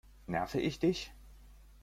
Nerve ich dich?